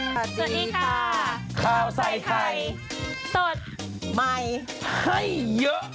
สวัสดีค่ะข้าวใส่ไข่สดใหม่ให้เยอะ